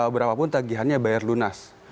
berapapun tagihannya bayar lunas